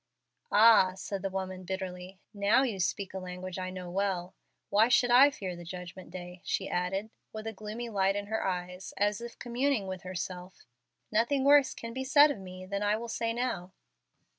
"Ah," said the woman, bitterly, "now you speak a language I know well. Why should I fear the judgment day?" she added, with a gloomy light in her eyes, as if communing with herself. "Nothing worse can be said of me than I will say now.